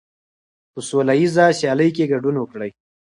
په سوله ییزه سیالۍ کې ګډون وکړئ.